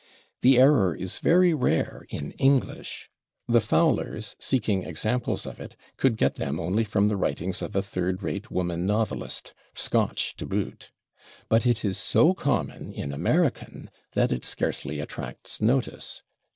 " The error is very rare in English; the Fowlers, seeking examples of it, could get them only from the writings of a third rate woman novelist, Scotch to boot. But it is so common in American that it scarcely attracts notice.